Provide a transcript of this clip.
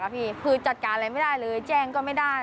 คือจัดการอะไรไม่ได้เลยแจ้งก็ไม่ได้